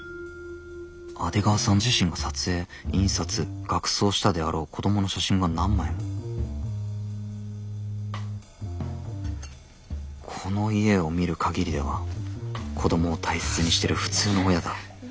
阿出川さん自身が撮影印刷額装したであろう子供の写真が何枚もこの家を見る限りでは子供を大切にしてる普通の親だ。